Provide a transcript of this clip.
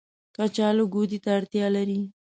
کچالو ګودې ته اړتيا لري